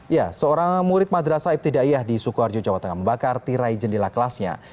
ya seorang murid madrasa ibtidaiyah di sukoharjo jawa tengah membakar tirai jendela kelasnya